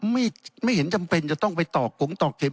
ไม่เห็นจำเป็นจะต้องไปต่อกงต่อเก็บ